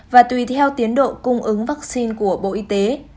và tùy theo tiến độ cung ứng vaccine của bộ y tế